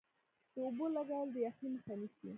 د اوبو لګول د یخنۍ مخه نیسي؟